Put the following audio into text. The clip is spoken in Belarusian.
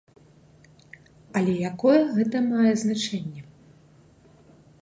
Але якое гэта мае значэнне?